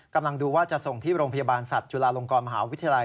ดูว่าจะส่งที่โรงพยาบาลสัตว์จุฬาลงกรมหาวิทยาลัย